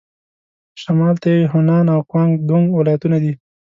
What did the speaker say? شمال ته یې هونان او ګوانګ دونګ ولايتونه دي.